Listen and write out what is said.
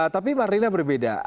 tapi marlina berbeda